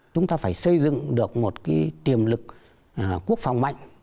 chúng ta phải xây dựng được một tiềm lực quốc phòng mạnh